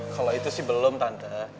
kalau itu sih belum tanda